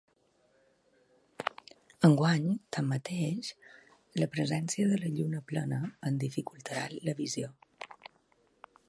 Enguany, tanmateix, la presència de la lluna plena en dificultarà la visió.